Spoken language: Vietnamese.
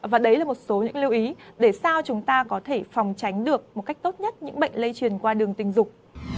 và đấy là một số những lưu ý để sao chúng ta có thể phòng tránh được một cách tốt nhất những bệnh lây truyền qua đường tình dục